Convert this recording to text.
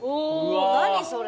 お何それ！